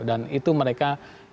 dan itu mereka